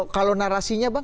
kalau narasinya bang